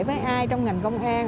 với ai trong ngành công an